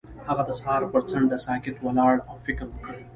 هغه د سهار پر څنډه ساکت ولاړ او فکر وکړ.